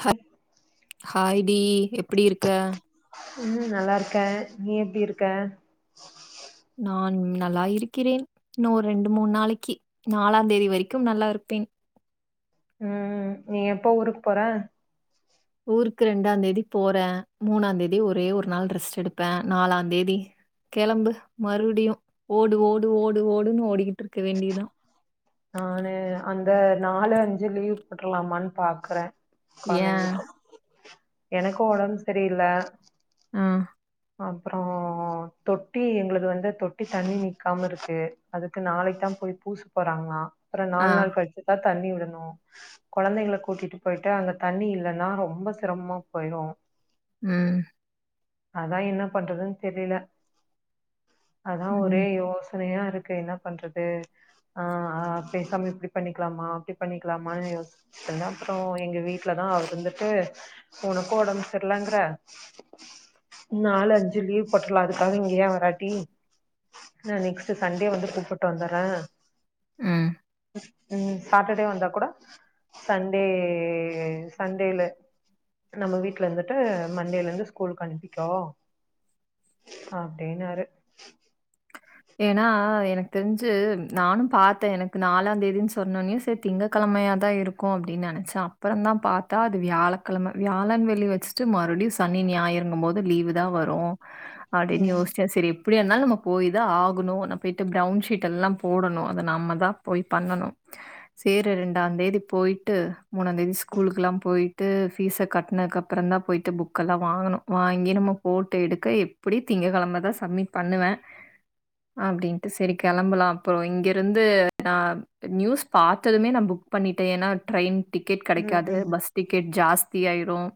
ஹ ஹாய்டடி எப்டி இருக்க உம் நல்லா இருக்கேன் நீ எப்படி இருக்க நான் நல்லா இருக்கிறேன் இன்னும் ஒரு ரெண்டு மூணு நாளைக்கு நாலாம் தேதி வரைக்கும் நல்லா இருப்பேன் உம் நீ எப்போ ஊருக்கு போற ஊருக்கு ரெண்டாம்ந்தேதி போறேன் மூணாந்தேதி ஒரே ஒரு நாள் ரெஸ்ட் எடுப்பேன் நாலாம்ந்தேதி கிளம்பு மறுபடியும் ஓடு ஓடு ஓடு ஓடுன்னனு ஓடிக்கிட்டு இருக்க வேண்டியதுதான். நானு அந்த நாலு அஞ்சு லீவ்வு பேட்டலாமான்னு பாக்குறேன் ஏன்? கெழந்தைஙாகலுக்கு எனக்கும் உடம்பு சரியில்ல ஆ அப்புறம் தொட்டி எங்களுக்கு வந்து தொட்டி தண்ணி நிக்காம இருக்கு அதுக்கு நாளைக்கு தான் போய் பூசு போறாங்களாம் அப்பறம் ஆ நாலு நாள் கழிச்சு தான் தண்ணி விடணும் கெழந்தைங்களை கூட்டிட்டு போயிட்டு அங்க தண்ணி இல்லன்னா ரொம்ப சிரமமா போயிரும் ம் அத்தான் என்ன பண்றதுன்னு தெரியல அதான் ஒரே ம் யோசனையா இருக்கு இருக்கு என்ன பண்றதுஆ ஆ பேசாம இப்டி பண்ணிக்கலாமா அப்டி பண்ணிக்கலாமான்னு யோசிச்சந்தேன் அப்பறம் எங்க வீட்டுலதான் அவர் வந்துட்டு உனக்கு உடம்புச்சிடலங்கிற நாலு அஞ்சு லீவ் போட்டலாம் அதுக்காக இங்க ஏன் வராட்டி நான் நெக்ஸ்ட் சண்டே வந்து கூப்பிட்டு வந்துறேன் ம் ம் சாட்டர்டே வந்தா கூட சண்டே சண்டேல நம்ம வீடல இருந்துட்டு மண்டேல இருந்து ஸ்கூலுக்கு அனுப்பி போ அப்டின்னுாரு ஏன்னா எனக்கு தெரிஞ்சு நானும் பாத்தேன் எனக்கு நாலாம் தேதின்னனு சொன்னோனேும் செரி திங்க கிழமையாதான் இருக்கும் அப்டின்னு நினைச்சேன் அப்பறம் தான் பாத்தா அது வியாழக்கிழமை வியாழன் வெள்ளி வச்சுட்டு மறுபடியும் சனி ஞாயிறு இருங்கும் போது லீவு் தான் வரும் அப்டின்னு ம் யோசிச்சா செரி எப்டியாயிருந்தாலும் நம்ம போய்யி ஆகணும் நா போயிட்டு பிரவுன் ஷீட் எல்லாம் போடணும் அத நாம்ம தான் போய் பண்ணணும் சேர ரெண்டாம் தேதி போயிட்டு மூணாந்தேதி ஸ்கலுக்கலாம் போய் பேயிட்டு ஃப்பீஸை கட்டனதுக்குஅப்பரம் தான் போயிட்டு புக்க எல்லாம் வாங்கணும் வாங்கி நம்ம போட்டு எடுக்க எப்படி திங்க கிழமைதான் சப்மிட் பண்ணுவேன் அப்டின்ட்டு செரி கிளம்பலாம் அப்பறம் இங்கிருந்து நான நியூஸ் பாத்ததுமே நான புக் பண்ணிட்டேன் ஏன்னா ட்ரெயின் டிக்கெட் ம் கிடைக்காது ம் பஸ் டிக்கெட் ஜாஸ்தி தீ ஆயிரும்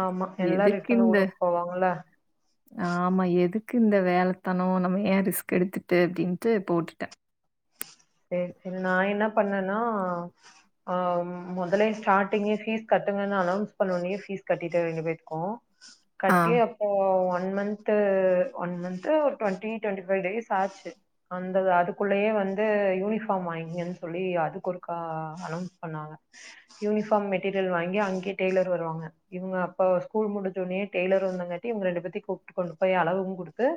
ஆமா எல்லா ரிட்டன் ஊருக்கு போவாங்கள ஆமா. எதுக்கு இந்த வேலத்தனம் யன் ரிஸ்க் எடுத்துட்டு அப்டின்ட்டு போட்டுட்டேன் செரி செரி நான என்ன பண்ணேன்னா ஆ முதலே ஸ்டார்ட்டிங்கே ஃபீஸ் கட்டுங்கன்னு அலேன்ஸ் பண்ணோனேயே பஃபீஸ் கட்டிட்டு ரெண்டு போயிருக்கோம் ஆ. கட்டி எப்போ one month one month or twenty twenty five days ஆச்சு அந்த அதுக்குல்லயே வ ந்து யூனிஃபார்ம் வாங்ஞ்கெண் சொல்லி அதுக்கொருக்கா அனோன்ஸ் பண்ணாங்க யூனிஃபார்ம் மெட்டீரியல் வாங்கி அங்கே டெய்லர் வருவாங்க இவுங்க அப்ப ஸ்கூல் முடிஞோனே டெய்லர் வந்தங்கட்டி இவங்கரெண்டுபேத்தி கூப்ட் கொண்டுப்போய் அளவுஉ குடுத்து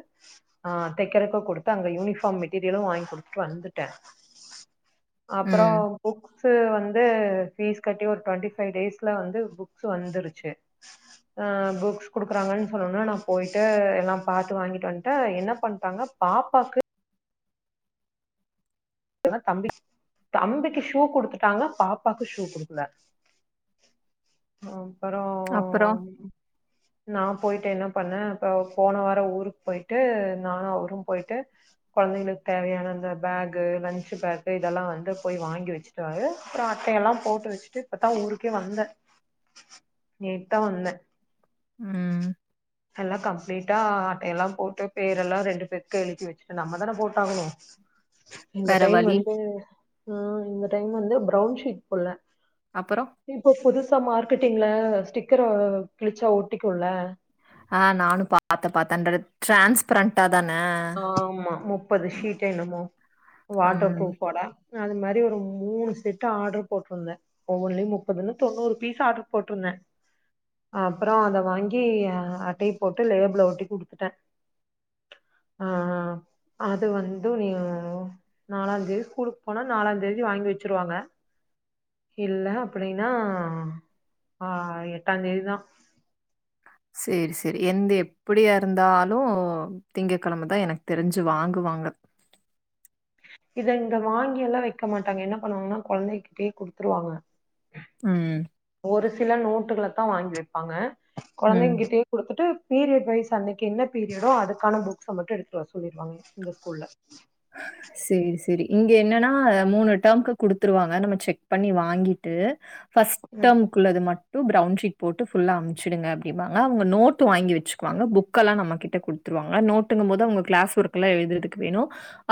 ஹ தெக்கரக்கு கொடுத்தா அங்க யூனிஃபார்ம் மெட்டிரியலு வாய்ங்கொடுத்துட்டு வந்து ட அப்பற ம். புக் ஸ்ஸு வந்து ஃபீஸ் கட்டி ஒரு டுவெண்டிஃபை டேஸ்க்கல வந்து புக்ஸ் வந்துருச்சு ஹ புக்ஸ் குடுக்குறாங்கன் சொண்ணன்ன நா போய்ட்டு எல்லா பாத்து வாங்கிட்டு வன்ட என்ன பண்டாங்க பாப்பாக்கு தம்பி தம்பிக்கு ஷூ குடுத்துட்டாங்க பாப்பாக்கு ஷூ குடுக்கல ஹ அப்பற போய்ட்டு என்ன பண்ணே ப போன வார ஊருக் போய்ட்டு நா அவரு போய்ட்டு கொழந்தைங்களு தேவையான அந்த பேக் கு லஞ்சு பேக்கு இதல்லா வந்து போய் வாங்கி வச்சுட்டுவாரு அப்பற அட்டையலா போட்டு வச்சுட்டு இப்பத்தா ஊருக்கே வந்த நேத்தா வந்த உஹம் எல்லா கம்ப்ளீட்டா அட்டையல்லா போட்டு பேரெல்லா ரெண்டு பேத்து எழுதி வச்சுட்டு நம்மதான போட்டாகணு இந்த வேற டைம் வழி. வந்து உஹம் இந்த டைம் வந்து பிரவுன் ஷீட் பொல்ல அப்புறம்? இப்ப புதுசா மார்க்கெட்டிங்ல டிக்கரொ கிழிச்சா ஒட்டிக்குள்ள ஹா நானு பாத்த பாத்த ந்தடு டிரான்ஸ்பரண்டா ஆமா முப்பது ஷீட் என்னமோ வாட்டர் ம். ப்ரூஃப்போட ந அது மாரி ஒரு மூணு செட்டு ஆடர்ரு போட்ருந்த ஒவ்வொன்னுய்யு முப்பதுன்னு தொண்ணூறு பீஸ் ஆடர்ரு போட்ருந்த அப்பற அந்த வாங்கி அட்டைய போட்டு லேபுள ஒட்டி குடுத்துட்ட ஆஹ் அது வந்து நீ நாலாந்தேதி ஸ்கூலுக்கு போனா நாலாந்தேதி வாங்கி வச்சிருவாங்க இல்ல அப்டின்னா ஆஹ் எட்டா தேதிதா சேரி சேரி எந்த எப்டியாருந்தாலு திங்க கிழமதா எனக்கு தெரிஞ்சு வாங்குவாங்க இத இங்க வாங்கியெல்லா வைக்க மாட்டாங்க என்ன பண்ணுவாங்கன்னா கொழந்தகிட்டயே கொடுத்துருவாங்க உம் தா வாங்கி வைப்பாங்க ம். கொழந்தைங் கிட்டயே குடுத்துட்டு பீரியட் வைஸ் அன்னிக்கு என்ன பீரியடோ அதுக்கான புக்ஸ்ச மட்டும் எடுத்துட்டு வர சொல்லிருவாங்க இந்த ஸ்கூல்ல சேரி சேரி இங்க என்னன்னா மூணு டேம்க்கு குடுத்துருவாங்க நம்ம செக் பண்ணி வாங்கிட்டு ஃபஸ்ட் ம் ம்முக்குள்ளது மட்டும் டு பிரவுன் ஷீட் போட்டு ஃபுல்லா அம்சுடுங்க அப்டிபாங்க அவுங்க நோட்டு வாங்கி வச்சுக்குவாங்க புக்கல்லா நம்மகிட்ட கொடுத்துருவாங்க நோட்டுங்க போது அவங்க கிளாஸ் ஒர்க் எல்லா எழுதுறதுக் வேணு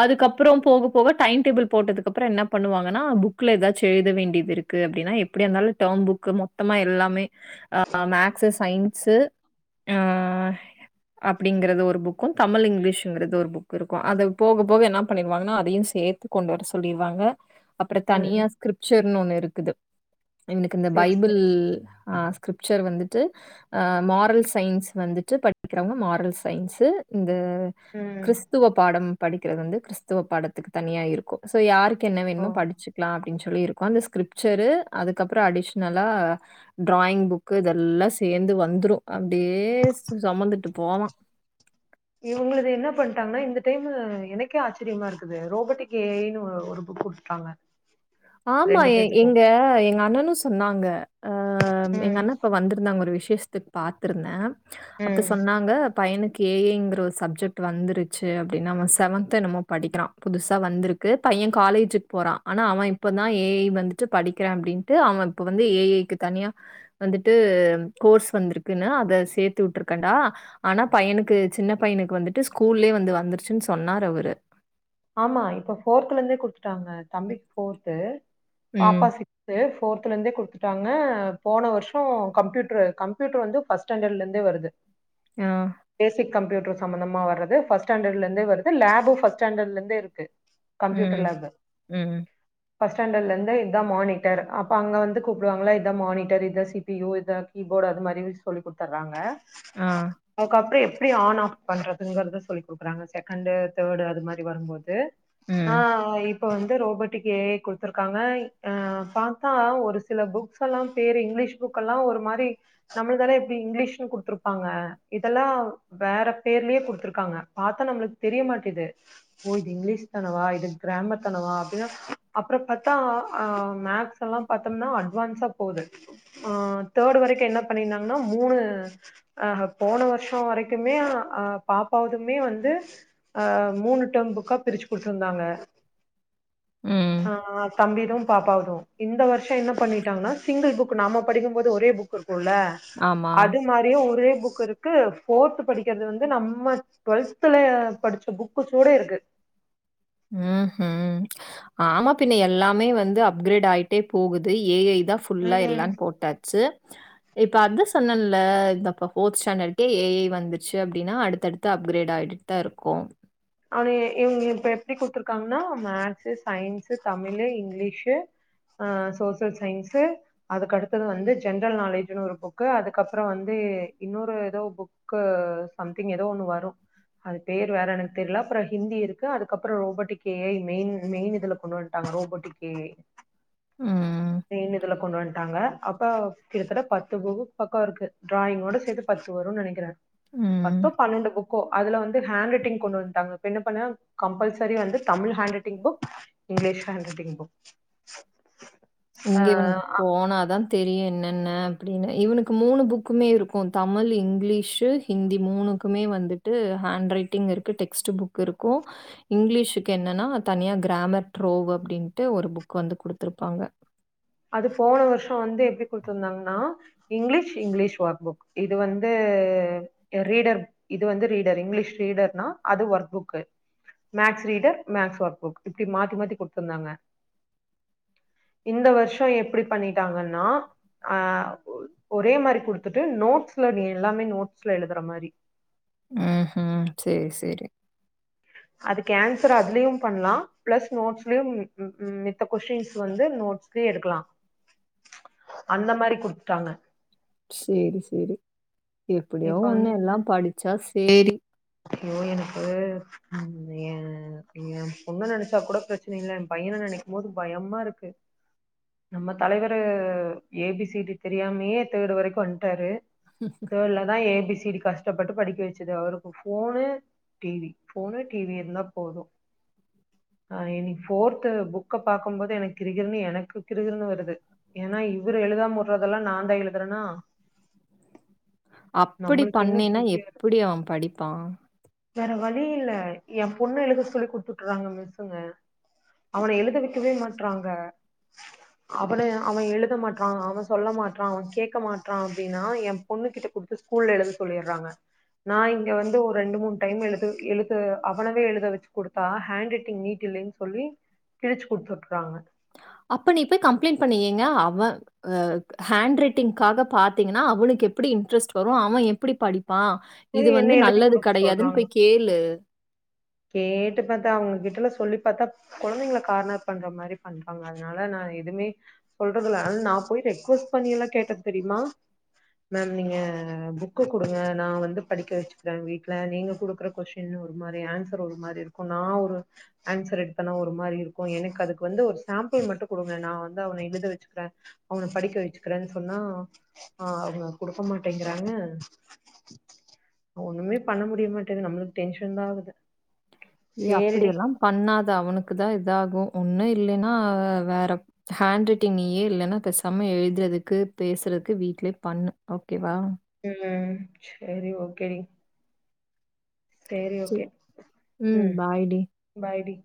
அதுக்கப்பற போக போக டைம் டேபுள் போட்டதுக்கு அப்பற என்ன பண்ணுவாங்கன்னா புக்கல ஏதாச்சு எழுத வேண்டிதுருக்கு அப்டின்னா எப்டியாந்தாலு டேர்ம் புக்கு மொத்தமா எல்லாமே ஹ் மேக்ஸு சயின்ஸு அப்டிங்கறது ஒரு புக்கு தமிழ் இங்கிலீஷ்ங்கறது ஒரு புக்குருக்கு அத போக போக என்ன பண்ணிருவாங்கனா அதையு சேத்து கொண்டு வர சொல்லிருவாங்க ம் அப்பறதனியா ஸ்கிரிப்சர்ன்னு ஒண்ணு இருக்குது வ்னுக்கு இந்த செரி பைபிள் செரி ஹ க்கிரிப்சர் வந்துட்டு ஹ மாரல் சயின்ஸ் வந்துட்டு படிக்கிறவங்க மாரல் சயின்ஸு அ ம் கிறிஸ்துவ பாடம் க்றது வந்து கிறிஸ்துவ படத்துக்கு தனியா இருக்கு சோ யாரு கென்ன வேண்மோ ஓ மோ படிச்சுக்கலா ப்டின் சொல்லிருக் ந்த ஸ்கிரிப்சரு அதுக்கப்புற அடிஷ்னலா டிராயிங் புக்கு இதல்லா சேந்து வந்துரு அப்டியே சோமத்துட்டு போவா இவுங்க்ளுது என்ன பண்டாங்கன்னா இந்த டைம்மு எனக்கே ஆச்சிரியமா இருக்குது ரோபோட்டிக் ஏஐணு ஒரு புக் கொடுத்துட்டாங்க ஆமா எங்க எங்க அண்ணனும் சொன்னாங்க அஹ் ம் எங்க அண்ணா இப்ப வந்திருந்தாங்க ஒரு விசேஷத்துக்கு பாத்துருந்தேன் அப்ப ம் சொன்னாங்கப் பையனுக்கு ஏ ஐ ங்கிற ஒரு சப்ஜெக்ட் வந்துருச்சு அப்டின்னு அவ செவன்த்து என்னமோ படிக்கிறா புதுசா வந்துருக்கு பைய காலேஜுக்கு போறா ஆனா அவ இப் இப்பந்தா ஏ ஐ வந்துட்டு படிக்கிறா அப்டின்ட்டு அவ இப்ப வந்து ஏ ஐ க்கு தனியா வந்துட்டு கோர்ஸ் வந்திருக்குன்னு அத சேத்து விட்ருக்கண்டா ஆனா பையனுக்கு சின்ன பையனுக்கு வந்துட்டு ஸ்கூல்லயே வந்து வந்துருச்சுன்னு சொன்னாரு அவரு ஆமா இப்ப ஃபோர்த்துல இருந்தே குடுத்துட்டாங்க தம்பிக்கு ஃபோர்த்து ம் பாப்பா சிக்ஸ்து போர்த்ல யிருந்தே குடுத்துட்டாங்க ம் போன வருஷோ கம்ப்யூட்டரு கம்ப்யூட்டர் வந்து ஃபர்ஸ்ட் ஸ்டாண்டர்ட்ல இருந்தே வருது ஆஹ் கம்யூட்ரு சம்பந்தமா வரது பஸ்டாண்டர்ல இருந்தே வருது லேப் பஸ்டாண்டர் லேருந்து தேருக்கு உம் உம்உம் ஃபர்ஸ்ட் ஸ்டாண்டர்ட்ல இருந்தே இதான் மானிட்டர் அப்போ அங்க வந்து கூப்பிடுவாங்கல்ல இதா மானிட்டர் இதா சி பி யு இதா கீபோர்டு அது மாதிரி சொல்லி குடுத்துர்றாங்க ஆ அதுக்கப்றோ [unintelligible] எப்டி ஆன் ஆஃப் பண்றதுங்கிறத சொல்லி குடுக்குறாங்க செகண்டு தேர்டு அது மாரி வரும்போது ம் து ஆஹ் அவங்க இப்ப வந்து ரோபோட்டிக் ஏ ஐ குடுத்துருக்காங்க அஹ் பாத்தா ஒரு சில புக்ஸ் எல்லா பேரு இங்கிலீஷ் புக் எல்லா ஒரு மாரி நம்மளுதெல்லா எப்டி இங்கிலீஷ்னு குடுத்துருப்பாங்க இதெல்லா வேற பேர்லயே குடுத்துருக்காங்க பாத்தா நம்மளுக்கு தெரிய மாட்டேது ஓ இது இங்கிலீஷ்தானவா இது கிராமர்தானவா அப்டின்னா அப்ற பாத்தா ஆ மேக்ஸ் எல்லா பாத்தோம்னா அட்வான்ஸா போகுது ஆ தேர்ட் வரைக்கு என்ன பண்ணிருந்தாங்கன்னா மூணு ஆஹ் போன வருஷம் வரைக்குமே ஆ பாப்பாவதுமே வந்து ஆ மூணு டெர்ம் புக்கா பிரிச்சு குடுத்துருந்தாங்க ம். ஆஹ் தம்பிதும் பாப்பாவுதும் இந்த வருஷம் என்ன பண்ணிட்டாங்கன்னா சிங்கிள் புக் நாம படிக்கும்போது ஒரே புக் இரு க்கும்ல ஆமா. அது மாரியே ஒரே புக் க்கு இருக்கு ஃபோர்த் படிக்கிறது வந்து நம்ம டுவெல்த்துல படிச்ச புக்கு கூட இருக்கு உம் ஹும் ஆமா பின்ன எல்லாமே வந்து அப்கிரேட் ஆயிட்டே போகுது ஏஐ இதான் ஃபுல்லாக ம் எல்லான்னு போட்டாச்சு இப்ப அதா சொன்னன்ல இந்த இப்ப ஃபோர்த் ஸ்டாண்டர்ட்கே ஏ ஐ வந்துர்ச்சு அப்டின்னா அடுத்தடுத்து அப்கிரேட் ஆயிட்டுதா இருக்கு அது இவங்க இப்ப எப்டி குடுத்துருக்காங்கன்னா மேக்ஸு சயின்ஸு தமிழு இங்கிலீஷு ஆஹ் சோசியல் சயின்ஸு அதுக்கடுத்தது வந்து ஜென்ரல் நாலேஜுன்னு ஒரு புக்கு அதுக்கப்புறோ வந்து இன்னொரு ஏதோ புக்கு சம்திங் ஏதோ ஒண்ணு வரு அது பேர் வேற எனக் தெரியல அப்றோ ஹிந்தி இருக்கு அதுக்கப்புறோ robotic A I main main இதுல கொண்டு வந்துட்டாங்க ரோபோட்டிக் ஏ ஐ ம். சேரின்னு இதுல கொண்டு வந் த்தாங்க அப்ப கிட்டத்தட்ட பத்து புக்குக் பக்கோ இருக்கு டிராயிங்கோட சேத்து பத்து வருன்னு நெனைக்கிறே ம். பத்தோ பன்னெண்டு புக்கோ அதுல வந் து ஹேண்ட் ரைட்டிங் கொண்டு வன்டாங்க என்ன பண்ண கம்பல்சரி வந்து Tamil handwriting book English handwriting book இங்க இவனுக்கு ஆஹ் போனாதான் தெரியு என்னென்ன அப்படின்னு இவனுக்கு மூணு புக்குமே இருக்கு தமிழ் இங்கிலீஷு ஹிந்தி மூணுக்குமே வந்துட்டு ஹேண்ட் ரைட்டிங் இருக்கு டெக்ஸ்ட் புக் இருக்கு இங்கிலீஷுக்கு என்னன்னா தனியா கிராமர் ட்ரோ அப்டின்ட்டு ஒரு புக் வந்து குடுத்துருப்பாங்க அது போன வருஷம் வந்து எப்டி கொடுத்துருந்தாங்கன்னா இங்கிலீஷ் இங்கிலீஷ் ஒர்க்புக் இது வந்து ரீடர் இது வந்து ரீடர் இங்கிலீஷ் ரீடர்னா அது workbook maths reader maths workbook இப்டி மாத்தி மாத்தி கொடுத்ருந்தாங்க இந்த வருஷம் இப எப்டி பண்ணிட்டாங்கன்னாஹ ஒரே மாரி குடுத்துட்டு நோட்ஸ்ல நீ எல்லாமே நோட்ஸ்ல எழுதுற மாரி ஹ் ஹம் சேரி சேரி அதுக்கு ஆன்சர் அதுலயும் பண்ணலாம் பிளஸ் நோட்ஸ்லயும் மேத்த கொஸின்ஸ் வந்து நோட்ஸ்லய எடுக்கலாம் அந்த மாரி குடுத்துட்டாங்க சேரி சேரி இப்ப எப்டியாவும் ஒண்ணு எல்லாம் படிச்சா சே சேரி யோ எனக்கு உ என் என் பொண்ணு நினைச்சா கூட பிரச்சனை இல்ல என் பையனை நினைக்கும்போது பயமா இருக்கு நம்ம தலைவரு ஏ பி சி டி தெரியாமே தேடு வரைக்கும் வந்துட்டாரு தேடுலதான் ஏ பி சி க் கஷ்டப்பட்டு படிக்க வச்சது அவருகூ போனு டிவி போனு டிவி இருந்தா போதும் ஆஹ் இனி போர்து புக்க பார்கக்கும்போது எனக்கு கிருகிருன்னு எனக்கு கிருகிருன்னு வருது ஏன்னா இவரு எழுதாம உடுறதெல்லாம் நான் தான் எழுதுறேனா அப்டி பண்ணேனா எப்டி அவன் படிப்பான் வேற வழி இல்ல என் பொண்ணு எழுத சொல்லி குடுத்துட்டுறாங்க மிஸ்ங்க அவனை எழுதவக்கவே மாட்டறாங்க அவனை அவன் எழுத மாட்டறான் அவன் சொல்ல மாட்டறான் அவன் கேடக்க மாட்டறான் அப்டின்னா என் பொண்ணு கிட்ட குடுத்து ஸ்கூல்ல எழுத சொல்லிடுறாங்க நான எழு இங்க வந்து ஒரு ரெண்டு மூணு டைம் எழுது எழுது அவனவே எழுத வச்சு கொடுத்தா ஹேண்ட் ரைட்டிங் நீட் இல்லைன்னு சொல்லி கிழச்சு கொடுத்துவிட்டுறாங்க அப்ப நீய் போய் கம்ப்ளைண்ட் பண்ணு எங்க அவன் ஹண்ட் ரைட்டிங்காக பாத்தீங்கன்னா அவனுக்கு எப்படி இன்ட்ரெஸ்ட் வரும் அவன் எப்படி படிப்பு ஆ இது சரி என்ன வந்து எழுதி நல்லது குடுக்க கெடையாதுன்னு சொல்றாங்க போய் கேளு கேட்டு பாத்தா அவங்க கிட்டலா சொல்லி பாத்தா கெந்தைங்கள கார்ணர் பண்ற மாரி பண்றாங்க அதனால நான எதுவுமே சொல்றதுல்லா நான போய் எக்ஸ்கிவ்ஸ் பண்ணில்லாம் கேட்டன் தெரியுமா மேம் நீங்க புக்க கொடுங்க நான வந்து படிக்க வச்சுக்கிறேன் வீட்டுல நீங்க குடுக்குற கொஷின் ஒரு மாரி ஆன்சர் ஒரு மாரி இருக்கும் நான் ஒரு ஆன்சர் எடுத்தேனா ஒரு மாரி இருக்கும் எனக்கு அதுக்கு வந்து ஒரு சாம்பிள் மட்டும் கொடுங்க நான வந்து அவனை எழுத வச்சுக்கிறேன் அவனை படிக்க வச்சுக்கிறேன்னு சொன்னா ஆ அவங்க கொடுக்க மாட்டேங்கிறாங்க ஒண்ணும் பண்ண முடிய மாட்டேங்குது நம்மளுக்கு டென்ஷன் தான் ஆகுது ஏ அப்டி சேரிடி எல்லாம் பண்ணாத அவனுக்கு தான் இது இதாகும் ஒன்றும் இல்லன்னா வேற ஹேண்ட் ரைட்டிங் நியே இல்லனா போசம எழுதுறதுக்கு பேசுகறதுக்கு வீட்டிலயே பண்ணு ஓகேவா ம் செரி ஓகே டி சேரி சரி. ஓகே ம் பாய் டி. Bye D